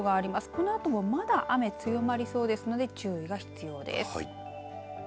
このあともまだ雨強まりそうですので注意が必要です。